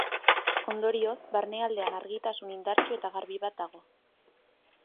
Ondorioz barnealdean argitasun indartsu eta garbi bat dago.